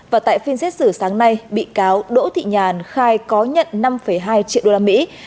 và tại phiên xét xử sáng nay bị cáo đỗ thị nhàn khai có nhận năm hai triệu đô la mỹ